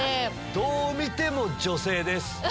どう見ても女性です。